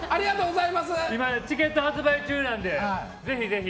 チケット発売中なのでぜひぜひ。